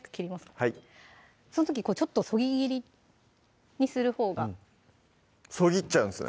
はいその時ちょっとそぎ切りにするほうがそぎっちゃうんですね